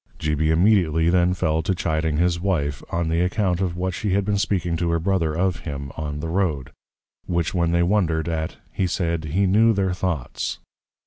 G. B. immediately then fell to Chiding his Wife, on the account of what she had been speaking to her Brother, of him, on the Road: which when they wondred at, he said, _He knew their thoughts.